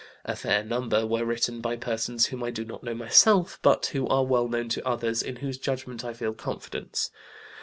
A fair number were written by persons whom I do not myself know, but who are well known to others in whose judgment I feel confidence.